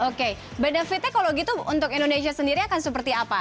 oke benefitnya kalau gitu untuk indonesia sendiri akan seperti apa